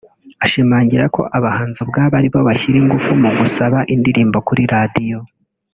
ashimangira ko abahanzi ubwabo ari bo bashyira ingufu mu gusaba indirimbo kuri Radiyo